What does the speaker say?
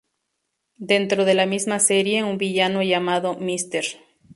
Dentro de la misma serie un villano llamado Mr.